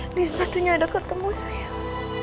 ini sepatunya ada ketemu saya